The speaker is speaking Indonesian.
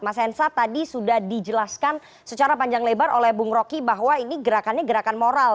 mas hensat tadi sudah dijelaskan secara panjang lebar oleh bung roky bahwa ini gerakannya gerakan moral